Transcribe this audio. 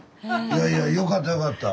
いやいやよかったよかった。